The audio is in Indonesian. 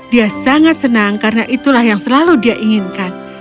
dia sangat senang karena itulah yang selalu dia inginkan